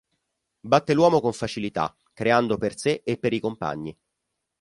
Batte l'uomo con facilità creando per se e per i compagni.